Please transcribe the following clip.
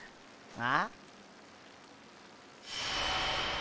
あ！